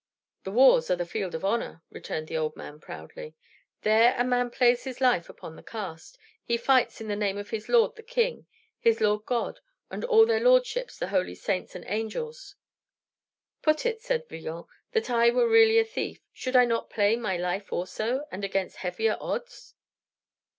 "The wars are the field of honor," returned the old man proudly. "There a man plays his life upon the cast; he fights in the name of his lord the king, his Lord God, and all their lordships the holy saints and angels." "Put it," said Villon, "that I were really a thief, should I not play my life also, and against heavier odds?"